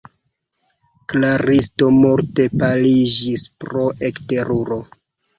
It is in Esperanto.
Klaristo morte paliĝis pro ekteruro.